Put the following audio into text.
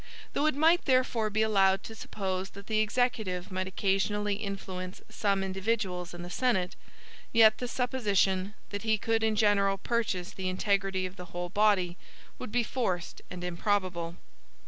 Though it might therefore be allowable to suppose that the Executive might occasionally influence some individuals in the Senate, yet the supposition, that he could in general purchase the integrity of the whole body, would be forced and improbable.